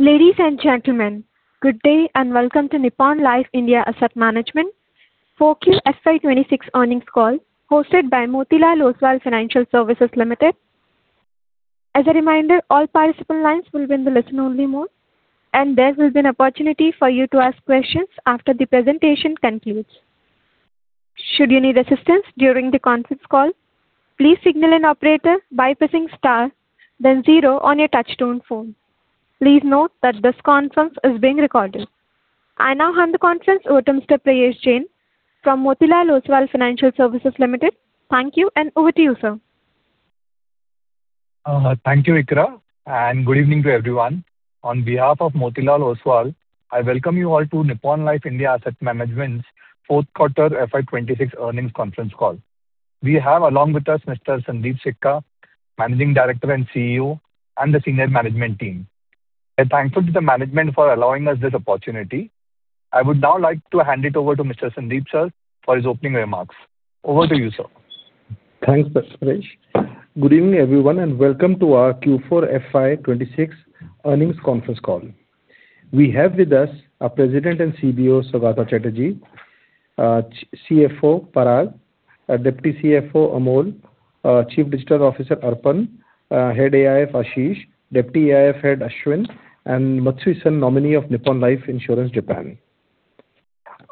Ladies and gentlemen, good day and welcome to Nippon Life India Asset Management for Q FY 2026 earnings call hosted by Motilal Oswal Financial Services Limited. As a reminder, all participant lines will be in the listen-only mode, and there will be an opportunity for you to ask questions after the presentation concludes. Should you need assistance during the conference call, please signal an operator by pressing star then zero on your touchtone phone. Please note that this conference is being recorded. I now hand the conference over to Mr. Prayesh Jain from Motilal Oswal Financial Services Limited. Thank you, and over to you, sir. Thank you, Ikra, and good evening to everyone. On behalf of Motilal Oswal, I welcome you all to Nippon Life India Asset Management's fourth quarter FY 2026 earnings conference call. We have along with us Mr. Sundeep Sikka, Managing Director and CEO, and the senior management team. We are thankful to the management for allowing us this opportunity. I would now like to hand it over to Mr. Sundeep Sikka sir for his opening remarks. Over to you, sir. Thanks, Prayesh. Good evening, everyone, and welcome to our Q4 FY 2026 earnings conference call. We have with us our President and CBO, Saugata Chatterjee, CFO Parag, our Deputy CFO Amol, our Chief Digital Officer Arpan, Head AIF Ashish, Deputy AIF Head Ashwin, and Matsui-san, nominee of Nippon Life Insurance, Japan.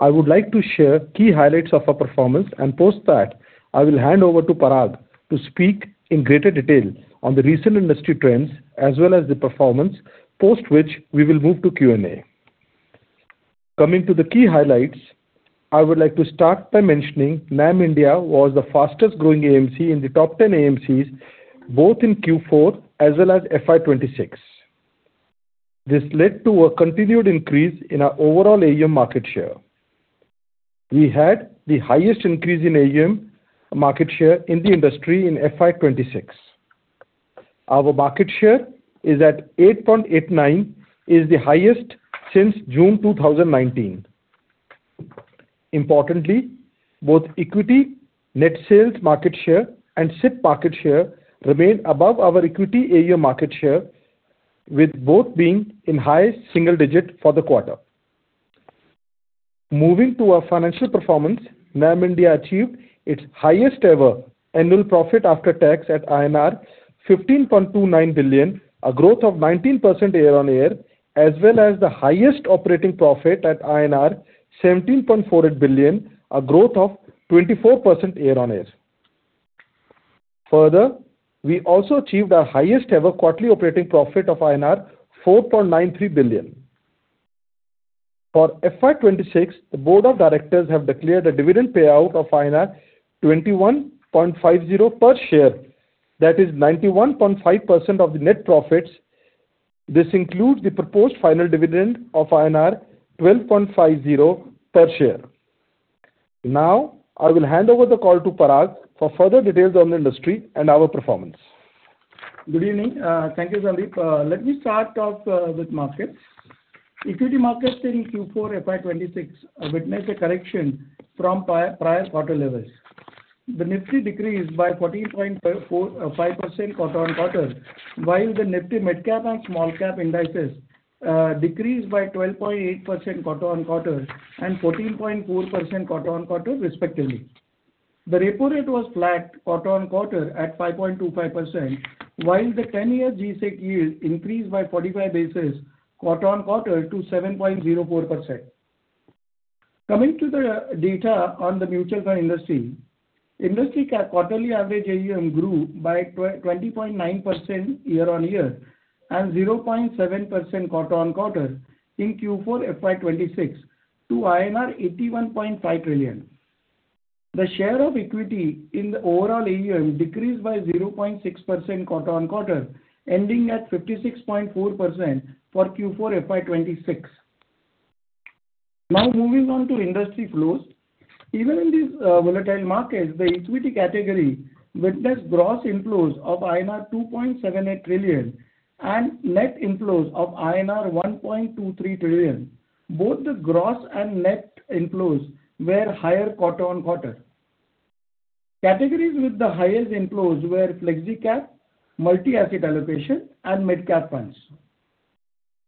I would like to share key highlights of our performance, and post that I will hand over to Parag to speak in greater detail on the recent industry trends as well as the performance, post which we will move to Q&A. Coming to the key highlights, I would like to start by mentioning NAM India was the fastest-growing AMC in the top ten AMCs, both in Q4 as well as FY 2026. This led to a continued increase in our overall AUM market share. We had the highest increase in AUM market share in the industry in FY 2026. Our market share is at 8.89, is the highest since June 2019. Importantly, both equity net sales market share and SIP market share remain above our equity AUM market share, with both being in high single digit for the quarter. Moving to our financial performance, NAM India achieved its highest ever annual profit after tax at INR 15.29 billion, a growth of 19% year-on-year, as well as the highest operating profit at INR 17.48 billion, a growth of 24% year-on-year. Further, we also achieved our highest ever quarterly operating profit of INR 4.93 billion. For FY 2026, the board of directors have declared a dividend payout of 21.50 per share. That is 91.5% of the net profits. This includes the proposed final dividend of INR 12.50 per share. Now, I will hand over the call to Parag for further details on the industry and our performance. Good evening. Thank you, Sundeep. Let me start off with markets. Equity markets in Q4 FY 2026 witnessed a correction from prior quarter levels. The Nifty decreased by 14.5% quarter on quarter, while the Nifty Midcap and Smallcap indices decreased by 12.8% quarter on quarter and 14.4% quarter on quarter respectively. The repo rate was flat quarter on quarter at 5.25%, while the ten-year G-Sec yield increased by 45 basis points quarter on quarter to 7.04%. Coming to the data on the mutual fund industry. Industry's quarterly average AUM grew by 20.9% year on year and 0.7% quarter on quarter in Q4 FY 2026 to INR 81.5 trillion. The share of equity in the overall AUM decreased by 0.6% quarter-on-quarter, ending at 56.4% for Q4 FY 2026. Now moving on to industry flows. Even in these volatile markets, the equity category witnessed gross inflows of INR 2.78 trillion and net inflows of INR 1.23 trillion. Both the gross and net inflows were higher quarter-on-quarter. Categories with the highest inflows were Flexi Cap, Multi-Asset Allocation, and Mid Cap funds.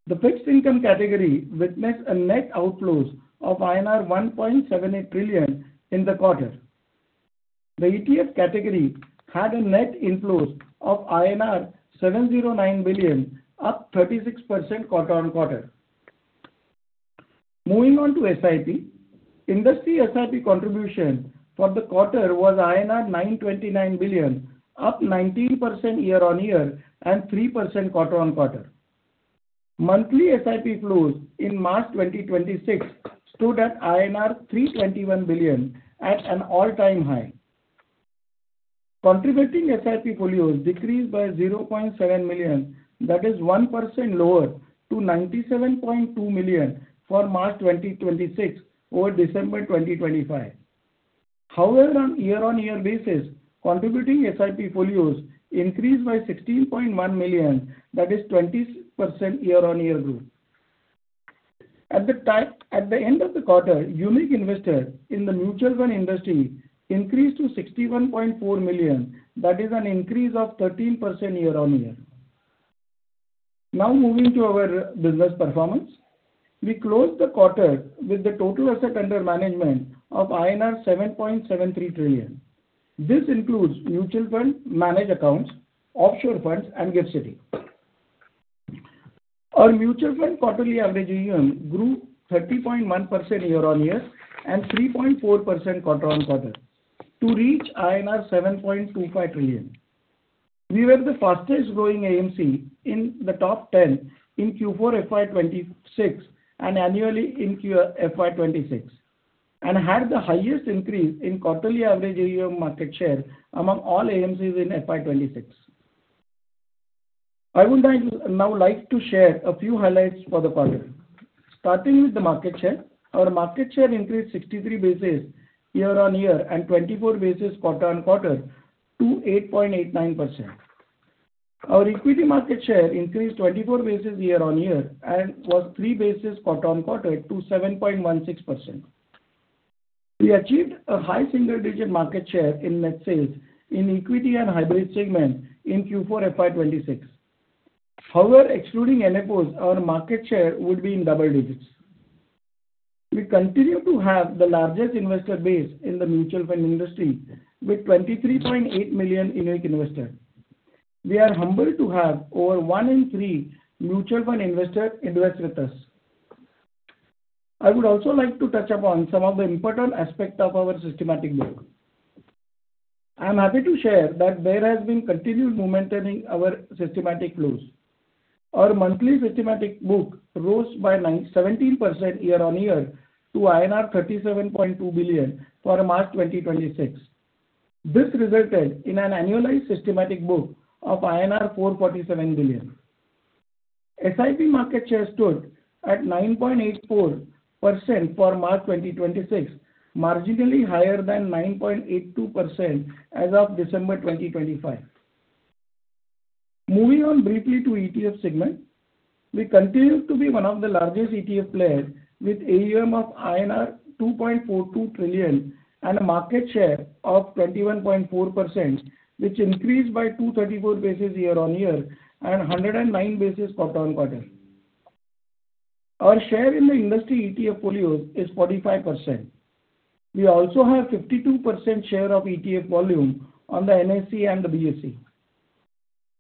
The fixed income category witnessed net outflows of INR 1.78 trillion in the quarter. The ETF category had net inflows of INR 709 billion, up 36% quarter-on-quarter. Moving on to SIP. Industry SIP contribution for the quarter was INR 929 billion, up 19% year-on-year and 3% quarter-on-quarter. Monthly SIP flows in March 2026 stood at INR 321 billion at an all-time high. Contributing SIP folios decreased by 0.7 million, that is 1% lower to 97.2 million for March 2026 over December 2025. However, on year-on-year basis, contributing SIP folios increased by 16.1 million, that is 20% year-on-year growth. At the end of the quarter, unique investor in the mutual fund industry increased to 61.4 million. That is an increase of 13% year-on-year. Now moving to our business performance. We closed the quarter with the total asset under management of INR 7.73 trillion. This includes mutual fund managed accounts, offshore funds and GIFT City. Our mutual fund quarterly average AUM grew 30.1% year-on-year and 3.4% quarter-on-quarter to reach INR 7.25 trillion. We were the fastest growing AMC in the top 10 in Q4 FY 2026 and annually in FY 2026, and had the highest increase in quarterly average AUM market share among all AMCs in FY 2026. I would like now to share a few highlights for the quarter. Starting with the market share. Our market share increased 63 basis points year-on-year and 24 basis points quarter-on-quarter to 8.89%. Our equity market share increased 24 basis points year-on-year and was 3 basis points quarter-on-quarter to 7.16%. We achieved a high single digit market share in net sales in equity and hybrid segment in Q4 FY 2026. However, excluding NFOs, our market share would be in double digits. We continue to have the largest investor base in the mutual fund industry with 23.8 million unique investors. We are humbled to have over one in three mutual fund investors invest with us. I would also like to touch upon some of the important aspects of our systematic book. I am happy to share that there has been continued momentum in our systematic growth. Our monthly systematic book rose by 17% year-on-year to INR 37.2 billion for March 2026. This resulted in an annualized systematic book of INR 447 billion. SIP market share stood at 9.84% for March 2026, marginally higher than 9.82% as of December 2025. Moving on briefly to ETF segment. We continue to be one of the largest ETF players with AUM of INR 2.42 trillion and a market share of 21.4%, which increased by 234 basis points year-on-year and 109 basis points quarter-on-quarter. Our share in the industry ETF folio is 45%. We also have 52% share of ETF volume on the NSE and the BSE.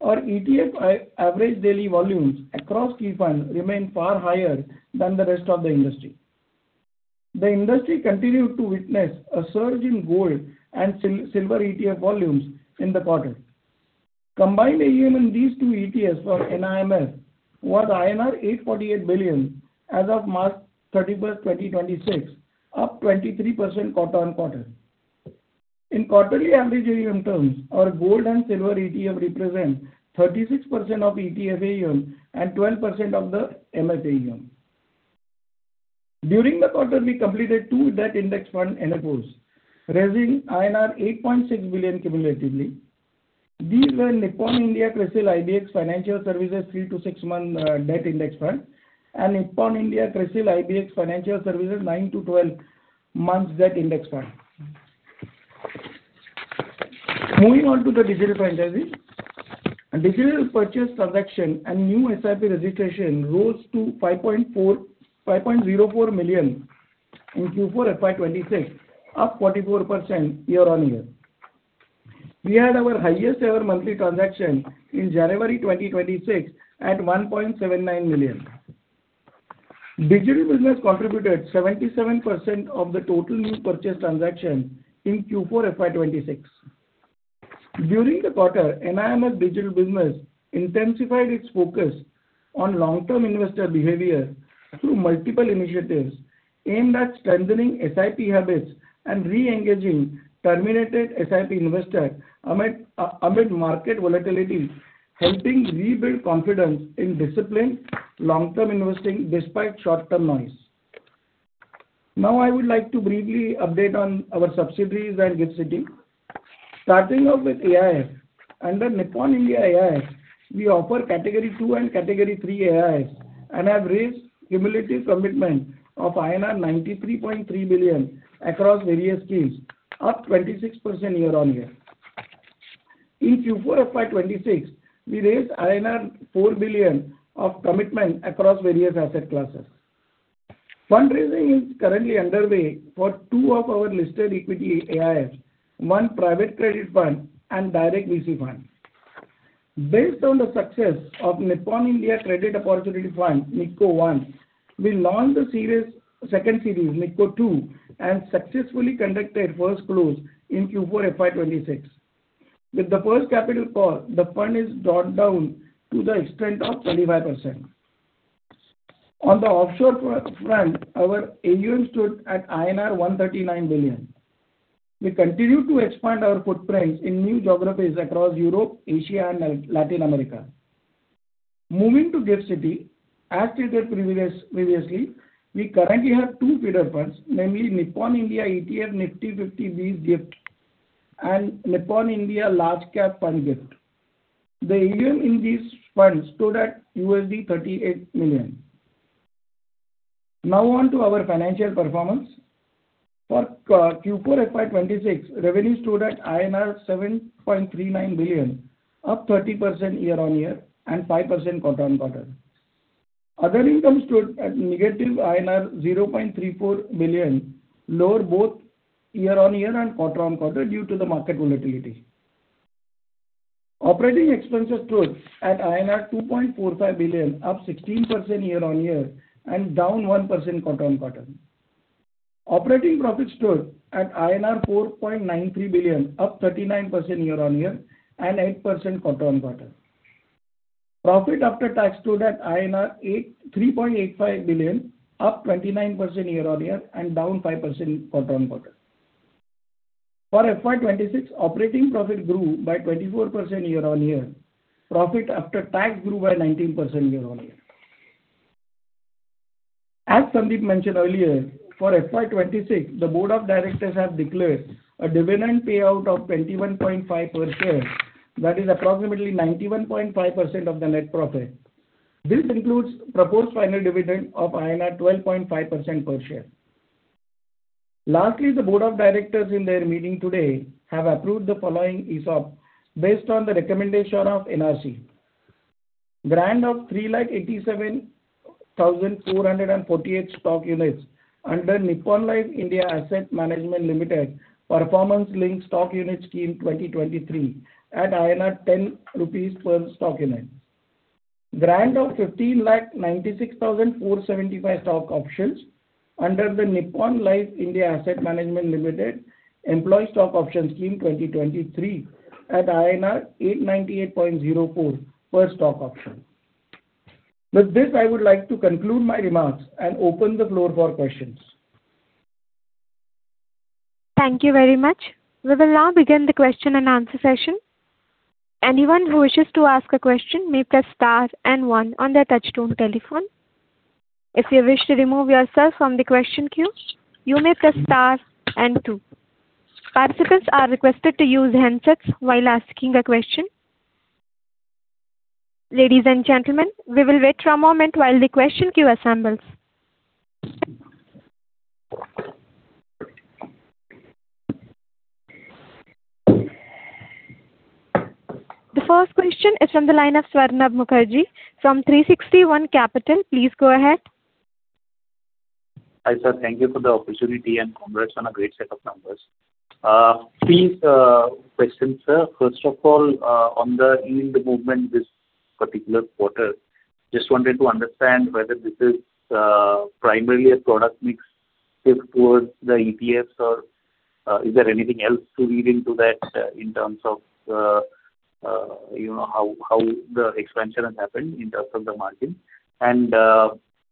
Our ETF average daily volumes across key funds remain far higher than the rest of the industry. The industry continued to witness a surge in gold and silver ETF volumes in the quarter. Combined AUM in these two ETFs for NIMF was INR 848 billion as of March 31, 2026, up 23% quarter-on-quarter. In quarterly average AUM terms, our gold and silver ETF represent 36% of ETF AUM and 12% of the MF AUM. During the quarter, we completed two debt index fund NFOs, raising INR 8.6 billion cumulatively. These were Nippon India CRISIL-IBX Financial Services 3-6 Months Debt Index Fund and Nippon India CRISIL-IBX Financial Services 9-12 Months Debt Index Fund. Moving on to the digital franchises. Digital purchase transaction and new SIP registration rose to 5.04 million in Q4 FY 2026, up 44% year-on-year. We had our highest ever monthly transaction in January 2026 at 1.79 million. Digital business contributed 77% of the total new purchase transaction in Q4 FY 2026. During the quarter, NAM's digital business intensified its focus on long-term investor behavior through multiple initiatives aimed at strengthening SIP habits and re-engaging terminated SIP investors amid market volatility, helping rebuild confidence in disciplined long-term investing despite short-term noise. Now, I would like to briefly update on our subsidiaries and GIFT City. Starting off with AIF. Under Nippon Life India AIF, we offer Category two and Category three AIFs and have raised cumulative commitment of INR 93.3 billion across various schemes, up 26% year-on-year. In Q4 FY 2026, we raised INR 4 billion of commitment across various asset classes. Fundraising is currently underway for two of our listed equity AIFs, one private credit fund and direct VC fund. Based on the success of Nippon India Credit Opportunities Fund, NICO 1, we launched the second series, NICO 2, and successfully conducted first close in Q4 FY 2026. With the first capital call, the fund is drawn down to the extent of 25%. On the offshore front, our AUM stood at INR 139 billion. We continue to expand our footprint in new geographies across Europe, Asia and Latin America. Moving to GIFT City. As stated previously, we currently have two feeder funds, namely Nippon India ETF Nifty 50 BeES GIFT and Nippon India Large Cap Fund GIFT. The AUM in these funds stood at $38 million. Now on to our financial performance. For Q4 FY 2026, revenue stood at INR 7.39 billion, up 30% year-on-year and 5% quarter-on-quarter. Other income stood at INR -0.34 billion, lower both year-on-year and quarter-on-quarter due to the market volatility. Operating expenses stood at INR 2.45 billion, up 16% year-on-year and down 1% quarter-on-quarter. Operating profit stood at INR 4.93 billion, up 39% year-on-year and 8% quarter-on-quarter. Profit after tax stood at INR 3.85 billion, up 29% year-on-year and down 5% quarter-on-quarter. For FY 2026, operating profit grew by 24% year-on-year. Profit after tax grew by 19% year-on-year. As Sundeep mentioned earlier, for FY 2026, the board of directors have declared a dividend payout of 21.5%. That is approximately 91.5% of the net profit. This includes proposed final dividend of INR 12.5% per share. Lastly, the board of directors in their meeting today have approved the following ESOP based on the recommendation of NRC. Grant of 387,448 stock units under Nippon Life India Asset Management Limited Performance Linked Stock Unit Scheme 2023 at 10 rupees per stock unit. Grant of 1,596,475 stock options under the Nippon Life India Asset Management Limited Employee Stock Option Scheme 2023 at INR 898.04 per stock option. With this, I would like to conclude my remarks and open the floor for questions. Thank you very much. We will now begin the question and answer session. Anyone who wishes to ask a question may press star and one on their touch-tone telephone. If you wish to remove yourself from the question queue, you may press star and two. Participants are requested to use handsets while asking a question. Ladies and gentlemen, we will wait for a moment while the question queue assembles. The first question is from the line of Swarnabha Mukherjee from 360 ONE Capital. Please go ahead. Hi, sir. Thank you for the opportunity, and congrats on a great set of numbers. Few questions, sir. First of all, on the yield movement this particular quarter, just wanted to understand whether this is primarily a product mix shift towards the ETFs or is there anything else to read into that in terms of you know how the expansion has happened in terms of the margin?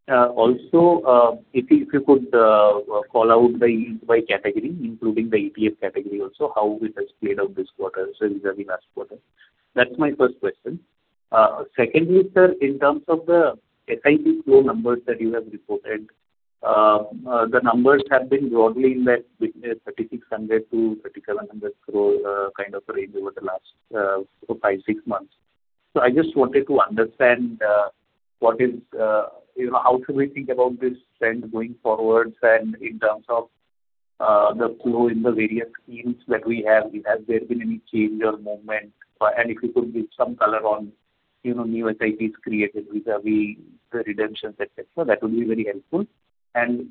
Also, if you could call out the yield by category, including the ETF category also, how it has played out this quarter vis-à-vis last quarter. That's my first question. Secondly, sir, in terms of the SIP flow numbers that you have reported, the numbers have been broadly in that, between 3,600 crore-3,700 crore kind of range over the last five, six months. I just wanted to understand, what is, you know, how should we think about this trend going forwards and in terms of, the flow in the various schemes that we have? Has there been any change or movement? And if you could give some color on, you know, new SIPs created vis-a-vis the redemptions, et cetera, that would be very helpful.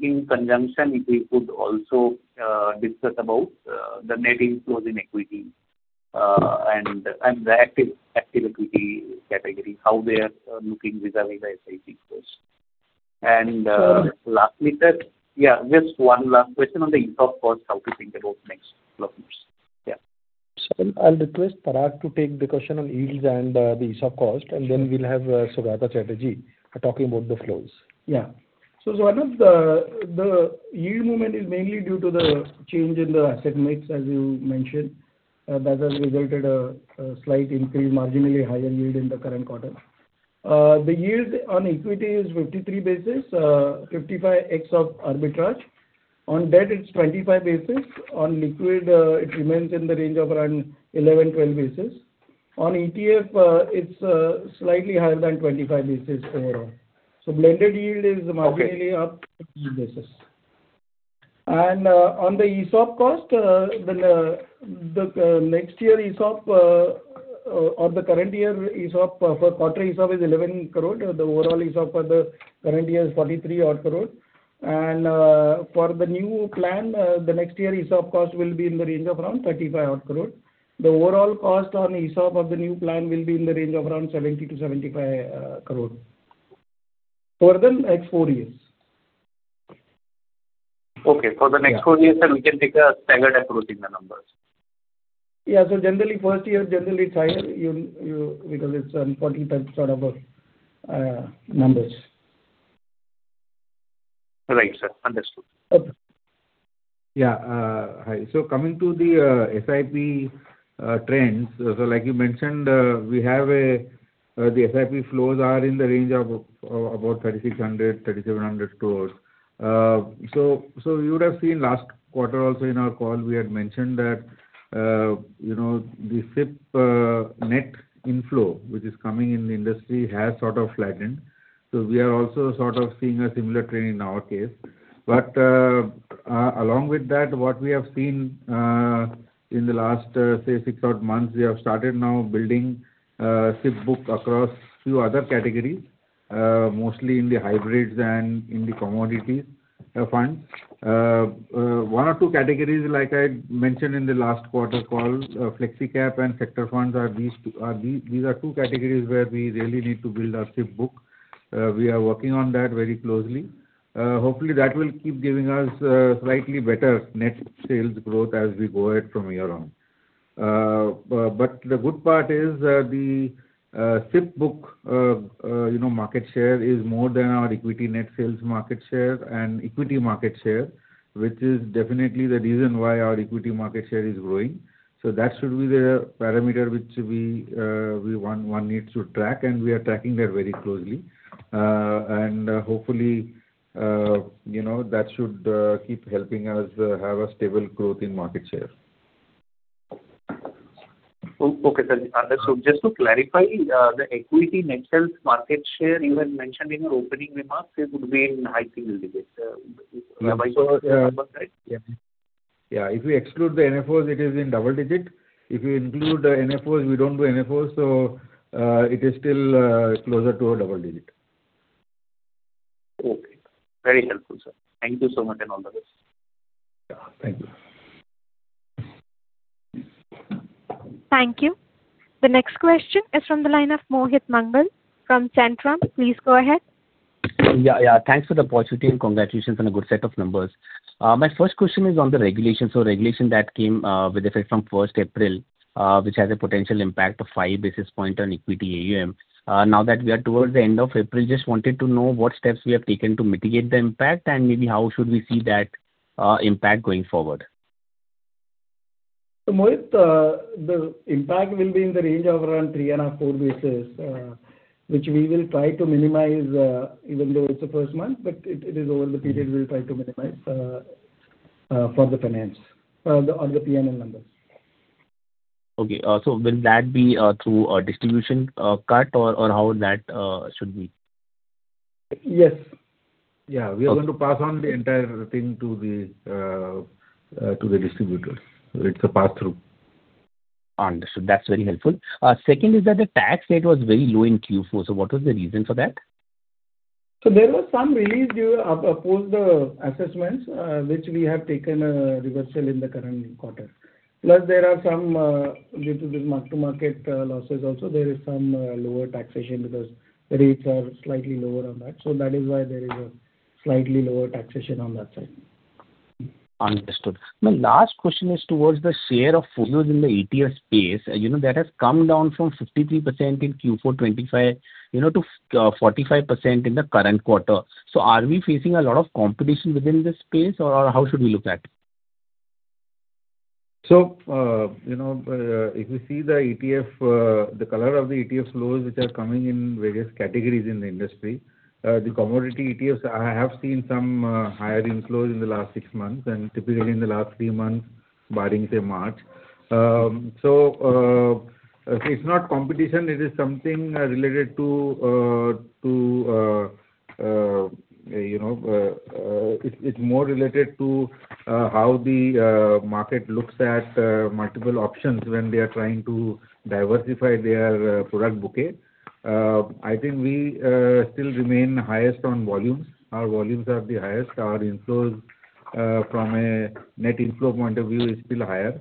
In conjunction, if you could also, discuss about, the net inflows in equity, and the active equity category, how they are looking vis-a-vis the SIP flows. Sir- Lastly, sir. Yeah, just one last question on the ESOP cost, how to think about next 12 months? Yeah. Sir, I'll request Parag to take the question on yields and the ESOP cost, and then we'll have Saugata Chatterjee talking about the flows. Yeah. Swarnabha, the yield movement is mainly due to the change in the asset mix, as you mentioned, that has resulted a slight increase, marginally higher yield in the current quarter. The yield on equity is 53 basis points, 55 ex of arbitrage. On debt it's 25 basis points. On liquid, it remains in the range of around 11 basis points-12 basis points. On ETF, it's slightly higher than 25 basis points year-on-year. Blended yield is- Okay. Marginally up 50 basis points. On the ESOP cost, the next year ESOP or the current year ESOP for quarter ESOP is 11 crore. The overall ESOP for the current year is 43-odd crore. For the new plan, the next year ESOP cost will be in the range of around 35-odd crore. The overall cost on ESOP of the new plan will be in the range of around 70 crore-75 crore for the next four years. Okay. For the next four years- Yeah. We can see a staggered approach in the numbers. Yeah. Generally, first year generally it's higher you'll because it's a one-time sort of numbers. Right, sir. Understood. Okay. Hi. Coming to the SIP trends. Like you mentioned, we have the SIP flows are in the range of about 3,600 crores-3,700 crores. You would have seen last quarter also in our call we had mentioned that, you know, the SIP net inflow which is coming in the industry has sort of flattened. We are also sort of seeing a similar trend in our case. Along with that what we have seen in the last say six-odd months, we have started now building a SIP book across few other categories, mostly in the hybrids and in the commodity funds. One or two categories, like I mentioned in the last quarter call, Flexi Cap and sector funds are these two. These are two categories where we really need to build our SIP book. We are working on that very closely. Hopefully that will keep giving us slightly better net sales growth as we go ahead from here on. But the good part is that the SIP book, you know, market share is more than our equity net sales market share and equity market share, which is definitely the reason why our equity market share is growing. That should be the parameter which one needs to track and we are tracking that very closely. Hopefully, you know, that should keep helping us have a stable growth in market share. Okay, sir. Just to clarify, the equity net sales market share you had mentioned in your opening remarks, it would be in high single digits. Am I correct? Yeah. Yeah. If you exclude the NFOs, it is in double digit. If you include the NFOs, we don't do NFOs, so, it is still closer to a double digit. Okay. Very helpful, sir. Thank you so much and all the best. Yeah. Thank you. Thank you. The next question is from the line of Mohit Mangal from Centrum. Please go ahead. Yeah, yeah. Thanks for the opportunity and congratulations on a good set of numbers. My first question is on the regulation. Regulation that came with effect from April 1, which has a potential impact of five basis points on equity AUM. Now that we are towards the end of April, just wanted to know what steps we have taken to mitigate the impact and maybe how should we see that impact going forward. Mohit, the impact will be in the range of around 3.5 basis points-4 basis points, which we will try to minimize, even though it's the first month but it is over the period we'll try to minimize, for the finance or the P&L numbers. Okay. Will that be through a distribution cut or how that should be? Yes. Yeah. We are going to pass on the entire thing to the distributors. It's a pass through. Understood. That's very helpful. Second is that the tax rate was very low in Q4. What was the reason for that? There was some relief due post the assessments, which we have taken a reversal in the current quarter. Plus there are some due to this mark-to-market losses also there is some lower taxation because the rates are slightly lower on that. That is why there is a slightly lower taxation on that side. Understood. My last question is towards the share of flows in the ETF space. You know, that has come down from 53% in Q4 2025, you know, to 45% in the current quarter. Are we facing a lot of competition within this space or how should we look at it? If you see the ETF, the color of the ETF flows which are coming in various categories in the industry, the commodity ETFs I have seen some higher inflows in the last six months and typically in the last three months barring say March. It's not competition, it is something related to how the market looks at multiple options when they are trying to diversify their product bouquet. I think we still remain highest on volumes. Our volumes are the highest. Our inflows from a net inflow point of view is still higher.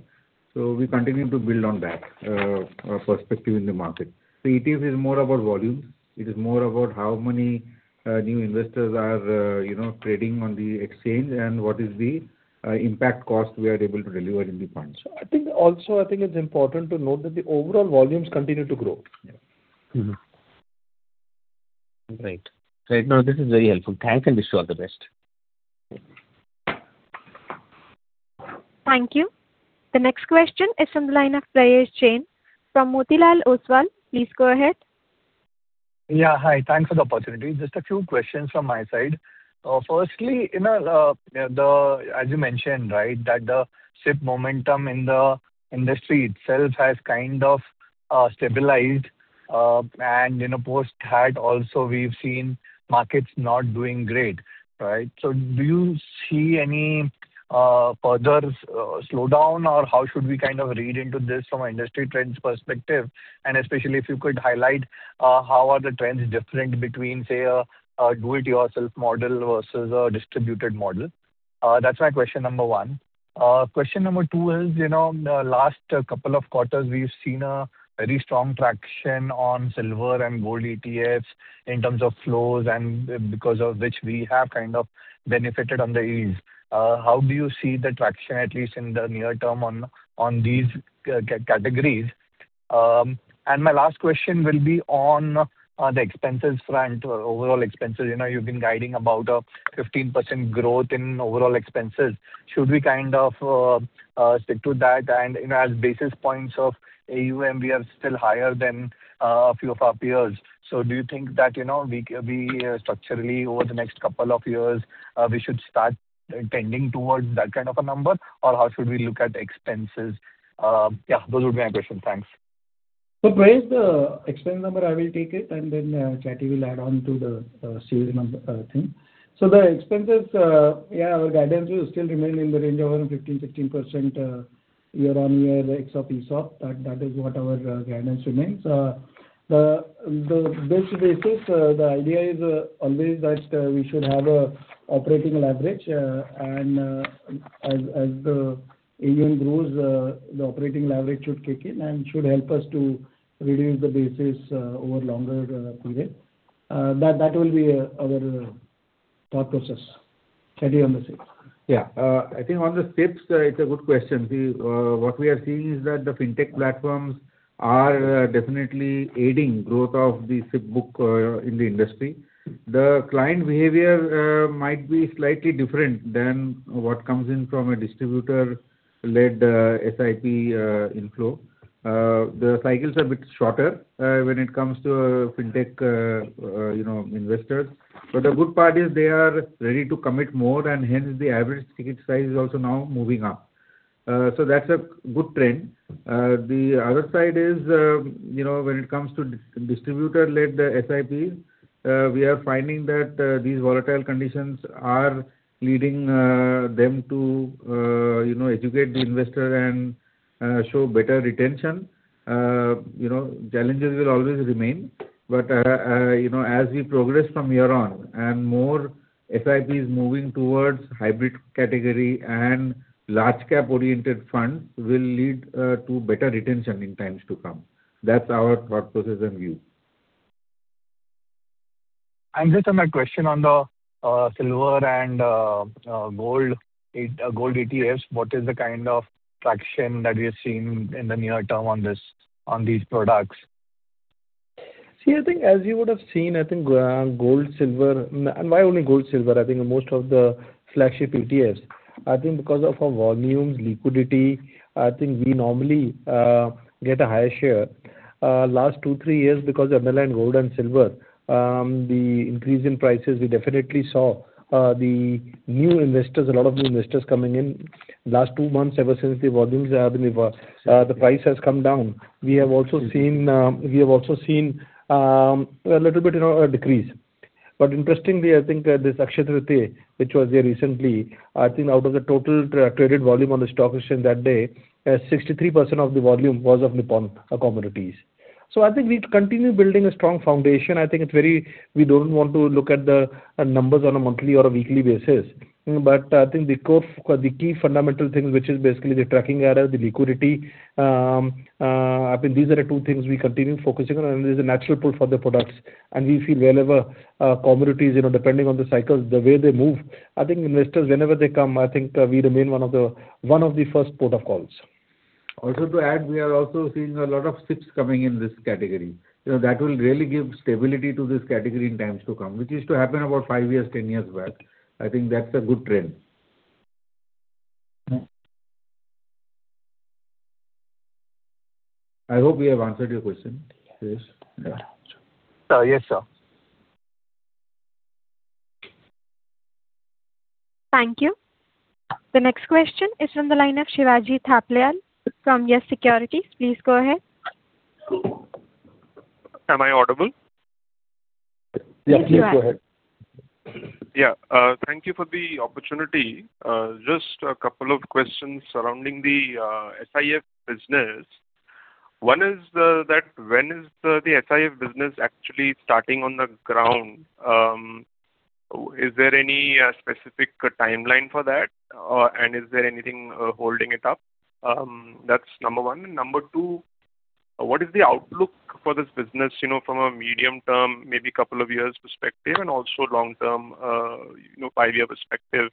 We continue to build on that perspective in the market. The ETF is more about volumes. It is more about how many new investors are, you know, trading on the exchange and what is the impact cost we are able to deliver in the funds. I think it's important to note that the overall volumes continue to grow. Right. No, this is very helpful. Thanks, and I wish you all the best. Thank you. The next question is from the line of Prayesh Jain from Motilal Oswal. Please go ahead. Yeah. Hi. Thanks for the opportunity. Just a few questions from my side. Firstly, as you mentioned, right, that the SIP momentum in the industry itself has kind of stabilized. And in the past also we've seen markets not doing great. Right? Do you see any further slowdown or how should we kind of read into this from an industry trends perspective? Especially if you could highlight how the trends are different between, say, a do it yourself model versus a distributed model? That's my question number one. Question number two is, you know, last couple of quarters we've seen a very strong traction on silver and gold ETFs in terms of flows and because of which we have kind of benefited on the fees. How do you see the traction at least in the near term on these categories? My last question will be on the expenses front or overall expenses. You know, you've been guiding about a 15% growth in overall expenses. Should we kind of stick to that? You know, as basis points of AUM, we are still higher than a few of our peers. Do you think that, you know, we structurally over the next couple of years we should start tending towards that kind of a number? Or how should we look at expenses? Yeah, those would be my questions. Thanks. Where is the expense number? I will take it, and then Chatterjee will add on to the series thing. The expenses, yeah, our guidance will still remain in the range of 15%-16% year-on-year ex ESOP. That is what our guidance remains. The basis, the idea is always that we should have operating leverage. As the AUM grows, the operating leverage should kick in and should help us to reduce the basis over longer period. That will be our thought process. Chatterjee on the SIPs. Yeah. I think on the SIPs, it's a good question. What we are seeing is that the fintech platforms are definitely aiding growth of the SIP book in the industry. The client behavior might be slightly different than what comes in from a distributor-led SIP inflow. The cycles are a bit shorter when it comes to fintech you know investors. The good part is they are ready to commit more and hence the average ticket size is also now moving up. That's a good trend. The other side is you know when it comes to distributor-led SIPs we are finding that these volatile conditions are leading them to you know educate the investor and show better retention. You know, challenges will always remain, but you know, as we progress from here on and more SIPs moving towards hybrid category and large cap-oriented funds will lead to better retention in times to come. That's our thought process and view. Just on that question on the silver and gold ETFs, what is the kind of traction that we are seeing in the near term on this, on these products? See, I think as you would have seen, I think gold, silver. Why only gold, silver? I think most of the flagship ETFs, I think because of our volume, liquidity, I think we normally get a higher share. Last two, three years because of SGL gold and silver, the increase in prices, we definitely saw the new investors, a lot of new investors coming in. Last two months ever since the volumes have been, the price has come down. We have also seen a little bit, you know, a decrease. Interestingly, I think this Akshaya Tritiya, which was there recently, I think out of the total traded volume on the stock exchange that day, 63% of the volume was of Nippon commodities. I think we continue building a strong foundation. I think we don't want to look at the numbers on a monthly or a weekly basis. I think the key fundamental thing, which is basically the tracking error, the liquidity, I think these are the two things we continue focusing on, and there's a natural pull for the products. We feel wherever commodities, you know, depending on the cycles, the way they move, I think investors whenever they come, I think we remain one of the first port of calls. Also to add, we are also seeing a lot of SIPs coming in this category. You know, that will really give stability to this category in times to come, which used to happen about five years, 10 years back. I think that's a good trend. Hmm. I hope we have answered your question. Yes. Yes, sir. Thank you. The next question is from the line of Shivaji Thapliyal from YES SECURITIES. Please go ahead. Am I audible? Yes, please go ahead. Yes, you are. Yeah. Thank you for the opportunity. Just a couple of questions surrounding the SIF business. One is that when is the SIF business actually starting on the ground? Is there any specific timeline for that? And is there anything holding it up? That's number one. And number two, what is the outlook for this business, you know, from a medium term, maybe couple of years perspective and also long-term, you know, five-year perspective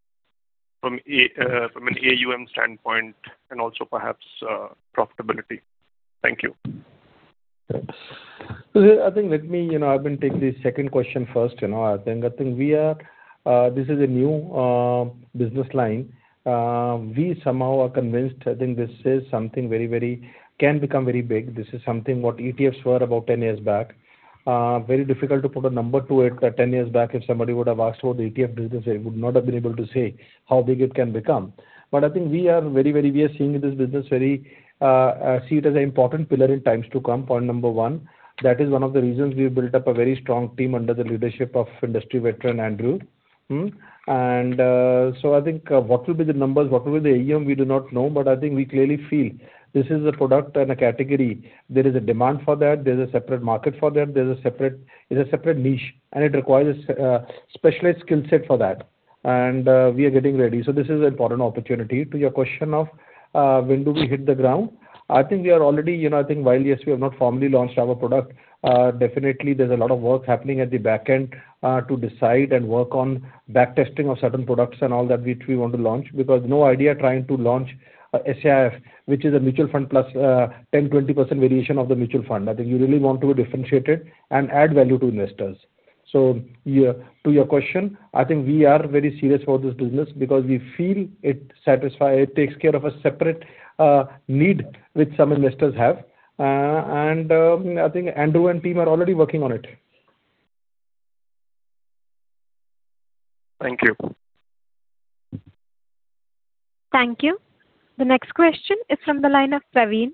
from an AUM standpoint and also perhaps profitability? Thank you. Thanks. I think let me, you know, I can take the second question first, you know. I think this is a new business line. We somehow are convinced, I think this is something very can become very big. This is something what ETFs were about 10 years back. Very difficult to put a number to it. 10 years back, if somebody would have asked about the ETF business, they would not have been able to say how big it can become. I think we are very. We are seeing this business very see it as an important pillar in times to come, point number one. That is one of the reasons we've built up a very strong team under the leadership of industry veteran, Arun. I think what will be the numbers, what will be the AUM, we do not know. I think we clearly feel this is a product and a category. There is a demand for that. There is a separate market for that. There is a separate niche, and it requires a specialized skill set for that. We are getting ready. This is an important opportunity. To your question of when do we hit the ground? I think we are already. You know, I think while, yes, we have not formally launched our product, definitely there is a lot of work happening at the back end, to decide and work on backtesting of certain products and all that which we want to launch. Because no idea trying to launch a SIF, which is a mutual fund plus 10%-20% variation of the mutual fund. I think you really want to differentiate it and add value to investors. Yeah, to your question, I think we are very serious for this business because we feel it takes care of a separate need which some investors have. I think Arun and team are already working on it. Thank you. Thank you. The next question is from the line of Praveen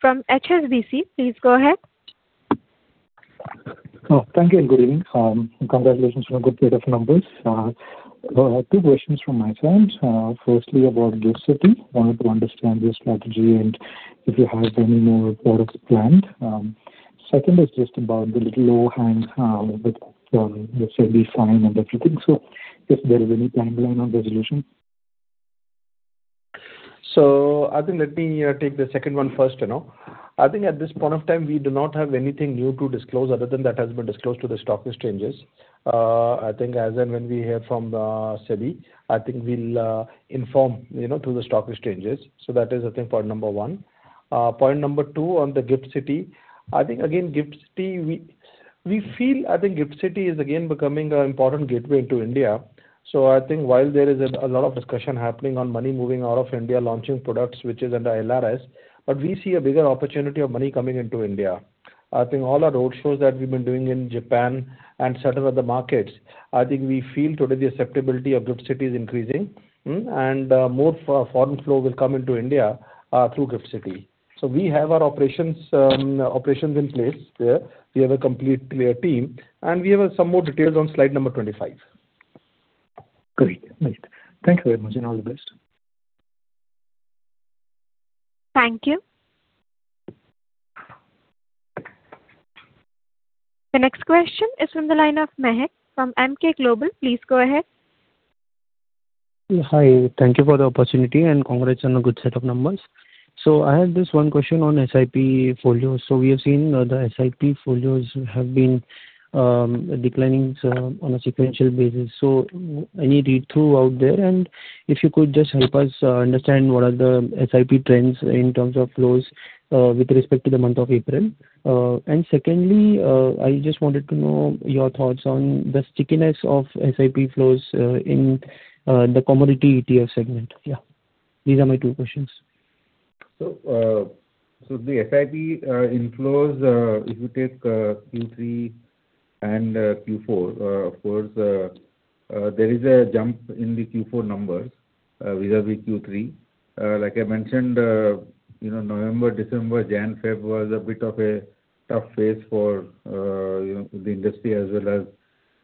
from HSBC. Please go ahead. Oh, thank you and good evening. Congratulations on a good set of numbers. Two questions from my side. Firstly, about GIFT City. Wanted to understand your strategy and if you have any more products planned. Second is just about the little overhang with the SEBI fine and everything. Just if there is any timeline on resolution. I think let me take the second one first, you know. I think at this point of time, we do not have anything new to disclose other than that has been disclosed to the stock exchanges. I think as and when we hear from SEBI, I think we'll inform, you know, through the stock exchanges. That is, I think, point number one. Point number two on the GIFT City. I think again, GIFT City, we feel, I think GIFT City is again becoming an important gateway into India. I think while there is a lot of discussion happening on money moving out of India, launching products which is under LRS, but we see a bigger opportunity of money coming into India. I think all our roadshows that we've been doing in Japan and certain other markets. I think we feel today the acceptability of GIFT City is increasing, and more foreign flow will come into India through GIFT City. We have our operations in place there. We have a complete compliance team, and we have some more details on slide number 25. Great. Nice. Thank you very much, and all the best. Thank you. The next question is from the line of Mahek from Emkay Global. Please go ahead. Hi. Thank you for the opportunity, and congrats on a good set of numbers. I have just one question on SIP folios. We have seen the SIP folios have been declining on a sequential basis. Any read-through out there? If you could just help us understand what are the SIP trends in terms of flows with respect to the month of April. Secondly, I just wanted to know your thoughts on the stickiness of SIP flows in the commodity ETF segment. Yeah. These are my two questions. The SIP inflows, if you take Q3 and Q4, of course, there is a jump in the Q4 numbers vis-à-vis Q3. Like I mentioned, you know, November, December, January, February was a bit of a tough phase for you know, the industry as well as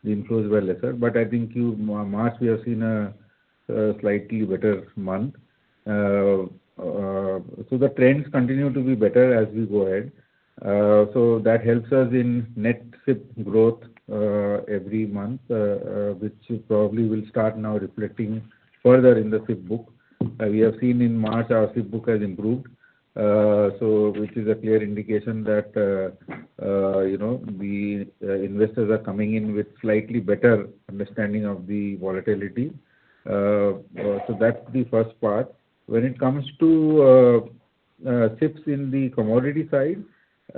the inflows were lesser. I think March, we have seen a slightly better month. The trends continue to be better as we go ahead. That helps us in net SIP growth every month, which probably will start now reflecting further in the SIP book. We have seen in March our SIP book has improved. Which is a clear indication that you know, the investors are coming in with slightly better understanding of the volatility. That's the first part. When it comes to SIPs in the commodity side,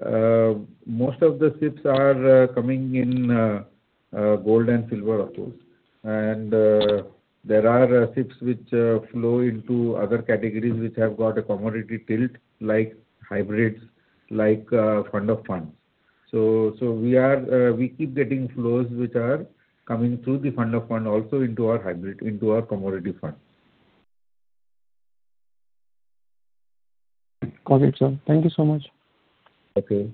most of the SIPs are coming in gold and silver, of course. There are SIPs which flow into other categories which have got a commodity tilt like hybrids, like fund of funds. We keep getting flows which are coming through the fund of funds also into our hybrid, into our commodity fund. Got it, sir. Thank you so much. Okay.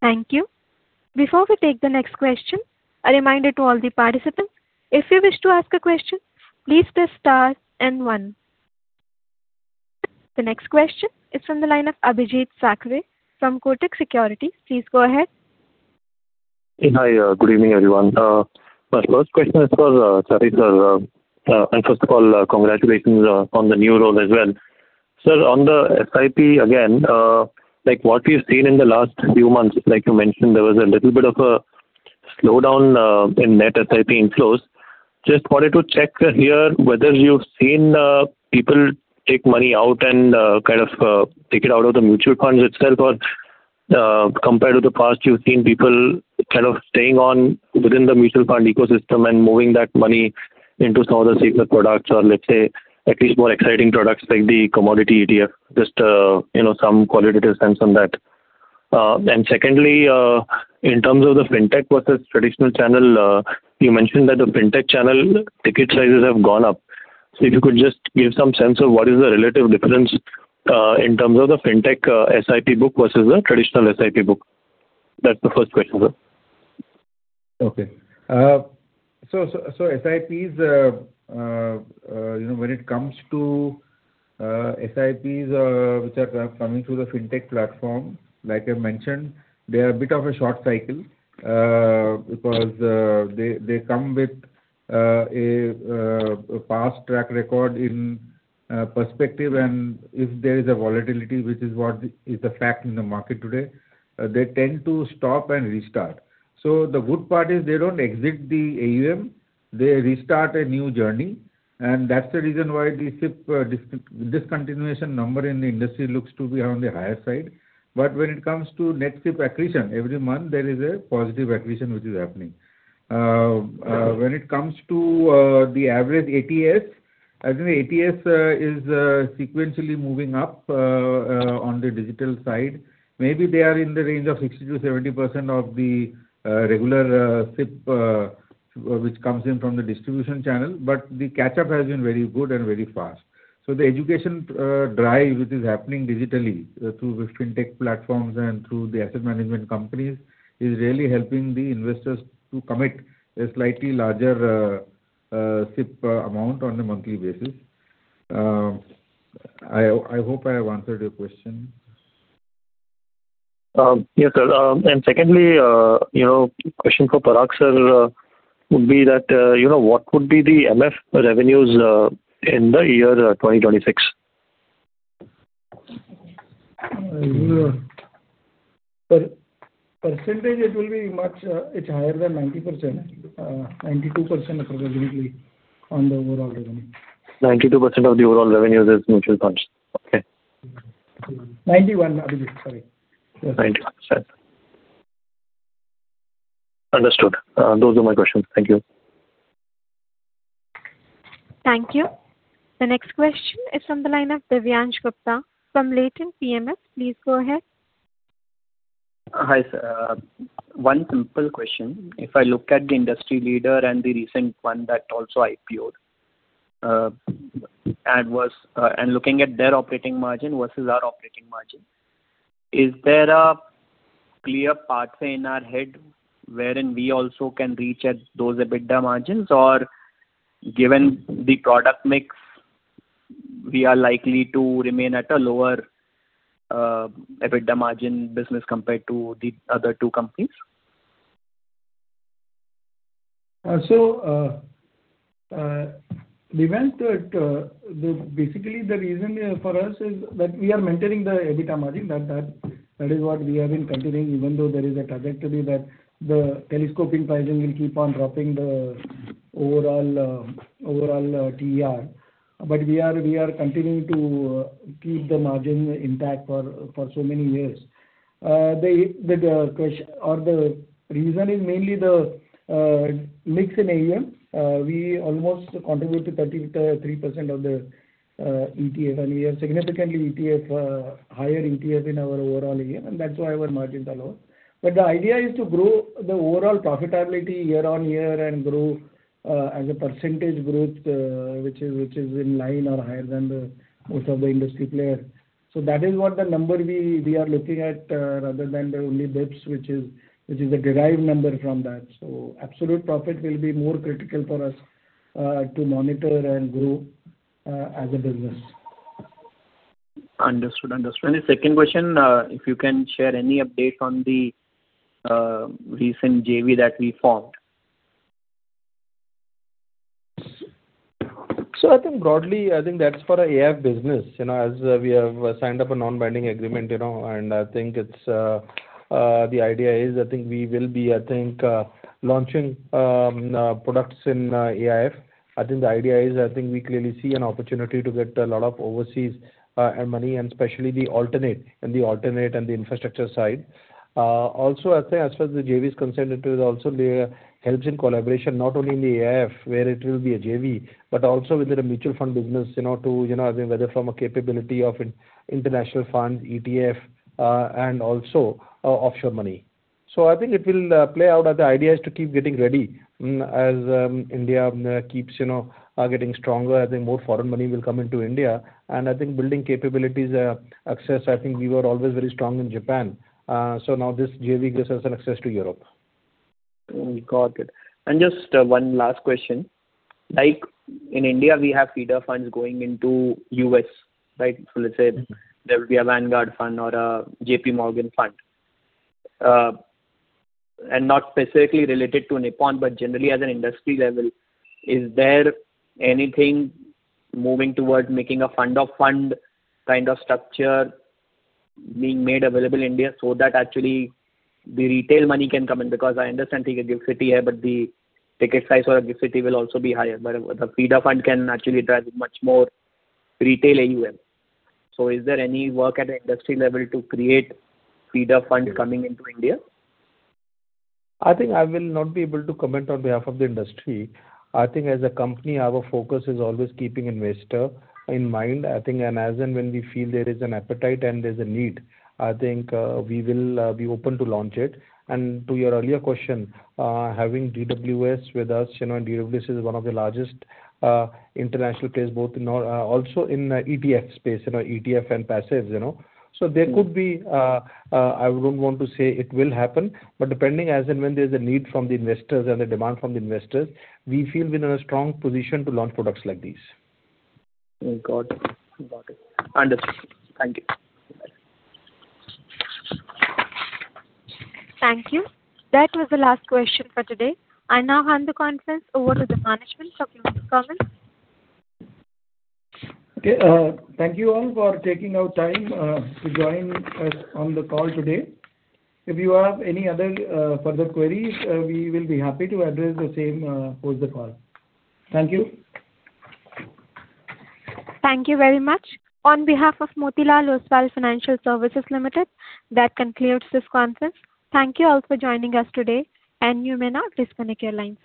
Thank you. Before we take the next question, a reminder to all the participants. If you wish to ask a question, please press star then one. The next question is from the line of Abhijit Sakhare from Kotak Securities. Please go ahead. Hi. Good evening, everyone. My first question is for Sundeep Sikka sir. First of all, congratulations on the new role as well. Sir, on the SIP again, like what we've seen in the last few months, like you mentioned, there was a little bit of a slowdown in net SIP inflows. Just wanted to check here whether you've seen people take money out and kind of take it out of the mutual funds itself or, compared to the past, you've seen people kind of staying on within the mutual fund ecosystem and moving that money into some other sector products or let's say at least more exciting products like the commodity ETF. Just you know, some qualitative sense on that. Secondly, in terms of the fintech versus traditional channel, you mentioned that the fintech channel ticket sizes have gone up. If you could just give some sense of what is the relative difference in terms of the fintech SIP book versus the traditional SIP book. That's the first question, sir. Okay. SIPs, you know, when it comes to SIPs, which are coming through the fintech platform, like I mentioned, they are a bit of a short cycle, because they come with a past track record in perspective and if there is a volatility, which is a fact in the market today, they tend to stop and restart. The good part is they don't exit the AUM, they restart a new journey, and that's the reason why the SIP discontinuation number in the industry looks to be on the higher side. When it comes to net SIP accretion, every month there is a positive accretion which is happening. When it comes to the average ATS, I think ATS is sequentially moving up on the digital side. Maybe they are in the range of 60%-70% of the regular SIP which comes in from the distribution channel, but the catch-up has been very good and very fast. The education drive which is happening digitally through fintech platforms and through the asset management companies is really helping the investors to commit a slightly larger SIP amount on a monthly basis. I hope I have answered your question. Yes, sir. Secondly, you know, question for Parag, sir, would be that, you know, what would be the MF revenues in the year 2026? Percentage it will be much, it's higher than 90%. 92% approximately on the overall revenue. 92% of the overall revenues is mutual funds. Okay. 91%, Abhijit. Sorry. 91%. Understood. Those are my questions. Thank you. Thank you. The next question is from the line of Divyansh Gupta from Latent PMS. Please go ahead. Hi, sir. One simple question. If I look at the industry leader and the recent one that also IPO'd and looking at their operating margin versus our operating margin, is there a clear pathway in our head wherein we also can reach at those EBITDA margins? Or given the product mix, we are likely to remain at a lower EBITDA margin business compared to the other two companies? Basically the reason for us is that we are maintaining the EBITDA margin. That is what we have been continuing even though there is a trajectory that the telescoping pricing will keep on dropping the overall TER. But we are continuing to keep the margin intact for so many years. The reason is mainly the mix in AUM. We almost contribute to 33% of the ETF and we have significantly higher ETF in our overall AUM, and that's why our margin is lower. But the idea is to grow the overall profitability year-over-year and grow as a percentage growth which is in line or higher than most of the industry players. That is what the number we are looking at, rather than the only basis points which is a derived number from that. Absolute profit will be more critical for us to monitor and grow as a business. Understood. The second question, if you can share any update on the recent JV that we formed. I think broadly, I think that's for our AIF business. You know, as we have signed up a non-binding agreement, you know, and I think it's the idea is I think we will be launching products in AIF. I think the idea is I think we clearly see an opportunity to get a lot of overseas money and especially in the alternate and the infrastructure side. Also I think as far as the JV is concerned, it will also there helps in collaboration, not only in the AIF, where it will be a JV, but also within a mutual fund business, you know, I think whether from a capability of international funds, ETF, and also offshore money. I think it will play out as the idea is to keep getting ready, as India keeps you know getting stronger. I think more foreign money will come into India. I think building capabilities, access, I think we were always very strong in Japan. Now this JV gives us an access to Europe. Got it. Just one last question. Like in India, we have feeder funds going into U.S., right? Let's say there will be a Vanguard fund or a JPMorgan Fund. Not specifically related to Nippon, but generally as an industry level, is there anything moving towards making a fund of fund kind of structure being made available in India so that actually the retail money can come in? Because I understand I think the GIFT City here, but the ticket size or the GIFT City will also be higher, but the feeder fund can actually drive much more retail AUM. Is there any work at an industry level to create feeder fund coming into India? I think I will not be able to comment on behalf of the industry. I think as a company, our focus is always keeping investor in mind. I think as and when we feel there is an appetite and there's a need, I think, we will be open to launch it. To your earlier question, having DWS with us, you know, and DWS is one of the largest international players both in or also in ETF space, you know, ETF and passives, you know. There could be, I wouldn't want to say it will happen, but depending as and when there's a need from the investors and a demand from the investors, we feel we're in a strong position to launch products like these. Got it. Understood. Thank you. Thank you. That was the last question for today. I now hand the conference over to the management for closing comments. Okay, thank you all for taking the time to join us on the call today. If you have any other further queries, we will be happy to address the same post the call. Thank you. Thank you very much. On behalf of Motilal Oswal Financial Services Limited, that concludes this conference. Thank you all for joining us today, and you may now disconnect your lines.